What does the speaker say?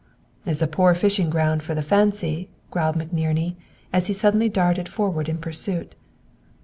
"It's a poor fishing ground for the fancy," growled McNerney, as he suddenly darted forward in pursuit.